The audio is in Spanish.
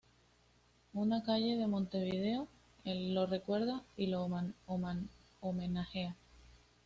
Una calle en Montevideo lo recuerda y lo homenajea.